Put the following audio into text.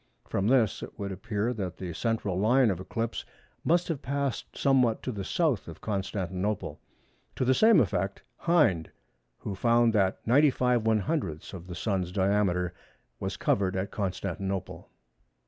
From this it would appear that the central line of eclipse must have passed somewhat to the south of Constantinople. To the same effect Hind, who found that 95/100ths of the Sun's diameter was covered at Constantinople.